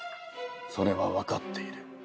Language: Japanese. それは分かっている。